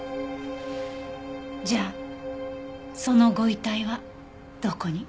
じゃあそのご遺体はどこに？